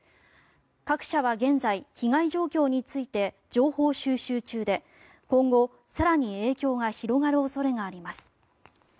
各社は現在、被害状況について情報収集中で今後更に影響が広がる恐れがあります。